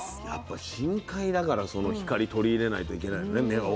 やっぱ深海だからその光取り入れないといけないのね。